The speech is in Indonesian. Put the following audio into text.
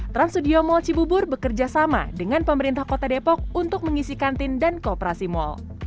trans studio mall cibubur bekerja sama dengan pemerintah kota depok untuk mengisi kantin dan kooperasi mal